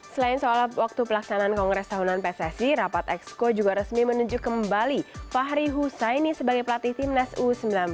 selain soal waktu pelaksanaan kongres tahunan pssi rapat exco juga resmi menunjuk kembali fahri husaini sebagai pelatih timnas u sembilan belas